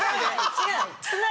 違う。